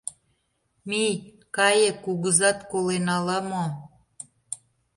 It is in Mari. Мий, кае, кугызат колен ала-мо!